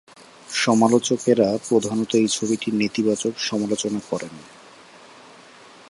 সমালোচকেরা প্রধানত এই ছবিটির নেতিবাচক সমালোচনা করেন।